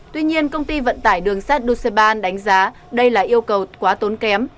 tuy nhiên công ty vận tải đường sắt duseban đánh giá đây là yêu cầu quá tốn kém